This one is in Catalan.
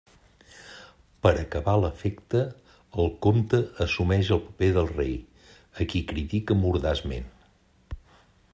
Per a acabar l'efecte, el comte assumeix el paper del rei, a qui critica mordaçment.